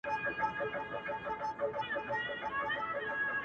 ما خو دا ټوله شپه،